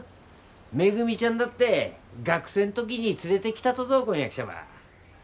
めぐみちゃんだって学生ん時に連れてきたとぞ婚約者ば。